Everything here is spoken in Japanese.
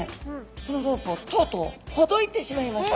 このロープをとうとうほどいてしまいました。